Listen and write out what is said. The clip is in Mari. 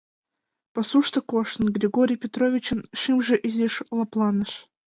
Пасушто коштын, Григорий Петровичын шӱмжӧ изиш лыпланыш.